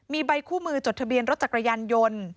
มีใบคู่มือจดทะเบียนรถจักรยานยนต์